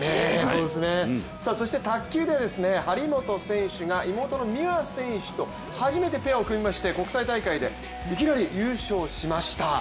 卓球では張本選手が妹の美和選手と初めてペアを組みまして国際大会でいきなり優勝しました、